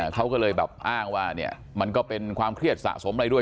เขาก็เลยแบบอ้างว่ามันก็เป็นความเครียดสะสมอะไรด้วย